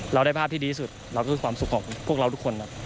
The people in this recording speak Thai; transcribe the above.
เราได้ภาพที่ดีสุดเราก็คือความสุขของพวกเราทุกคนครับ